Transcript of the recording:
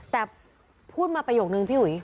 แต่พูดมาประโยคนึงพี่อุ๋ย